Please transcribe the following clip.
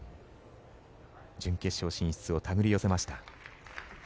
準決勝進出を手繰り寄せました。